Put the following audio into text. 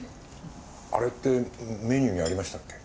あれってメニューにありましたっけ？